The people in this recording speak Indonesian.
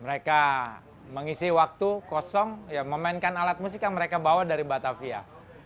mereka mengisi waktu kosong memainkan alat musik yang mereka bawa dari batavia